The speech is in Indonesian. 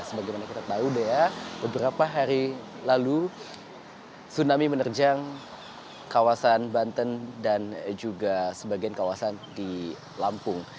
sebagaimana kita tahu dea beberapa hari lalu tsunami menerjang kawasan banten dan juga sebagian kawasan di lampung